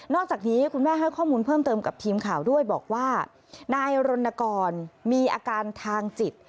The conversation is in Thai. อกจากนี้คุณแม่ให้ข้อมูลเพิ่มเติมกับทีมข่าวด้วยบอกว่านายรณกรมีอาการทางจิต